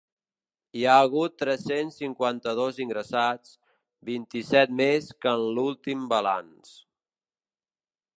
Hi ha hagut tres-cents cinquanta-dos ingressats, vint-i-set més que en l’últim balanç.